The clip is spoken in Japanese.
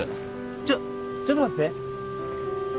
ちょちょっと待ってて。